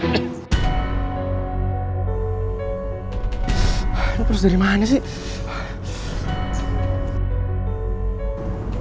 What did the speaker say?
aduh terus dari mana sih